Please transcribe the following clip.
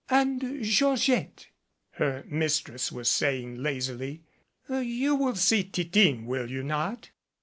"And, Georgette," her mistress was saying lazily, "you will see Titine, will you not?"